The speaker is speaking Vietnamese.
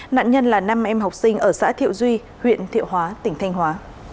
nạn nhân là năm em học sinh ở xã thiệu duy huyện thiệu hóa tỉnh thanh hóa